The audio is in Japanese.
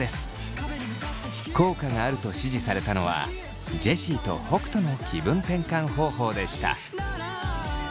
効果があると支持されたのはジェシーと北斗の気分転換方法でした。